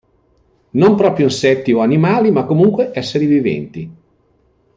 Non proprio insetti o animali, ma comunque esseri viventi.